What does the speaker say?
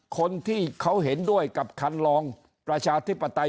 คนที่เขาเห็นด้วยกับคันลองประชาธิปไตย